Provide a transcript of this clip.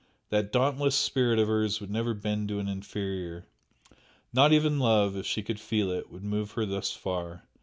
That dauntless spirit of hers would never bend to an inferior, not even love (if she could feel it) would move her thus far.